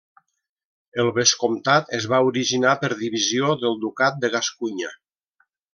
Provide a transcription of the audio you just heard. El vescomtat es va originar per divisió del Ducat de Gascunya.